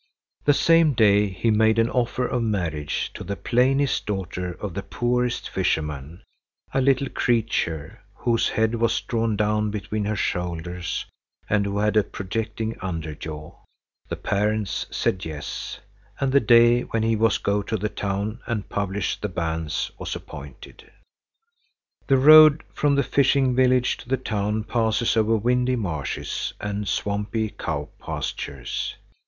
The same day he made an offer of marriage to the plainest daughter of the poorest fisherman, a little creature, whose head was drawn down between her shoulders and who had a projecting under jaw. The parents said yes, and the day when he was to go to the town and publish the bans was appointed. The road from the fishing village to the town passes over windy marshes and swampy cow pastures.